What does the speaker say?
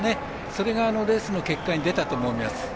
それがレースの結果に出たと思います。